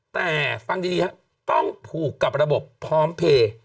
แต่ฟังดีครับต้องผูกกับระบบพร้อมเพลย์